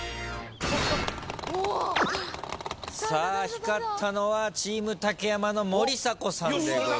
光ったのはチーム竹山の森迫さんでございます。